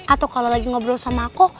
atau kalau lagi ngobrol sama aku